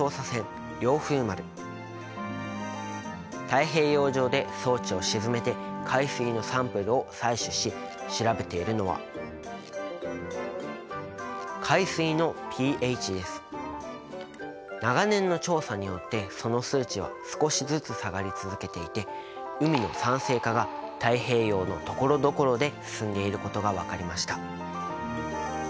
太平洋上で装置を沈めて海水のサンプルを採取し調べているのは長年の調査によってその数値は少しずつ下がり続けていて海の酸性化が太平洋のところどころで進んでいることが分かりました。